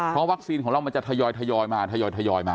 เพราะวัคซีนของเรามันจะทยอยมาทยอยมา